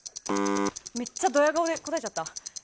めっちゃドヤ顔で答えちゃった。